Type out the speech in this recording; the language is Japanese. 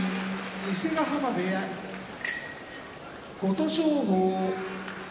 伊勢ヶ濱部屋琴勝峰